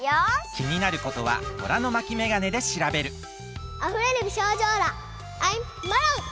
きになることは虎の巻メガネでしらべるあふれる美少女オーラアイムマロン！